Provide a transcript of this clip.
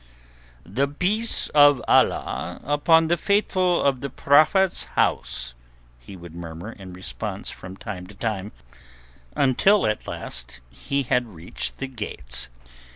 "The peace of Allah upon the Faithful of the Prophet's House," he would murmur in response from time to time, until at last he had reached the gates.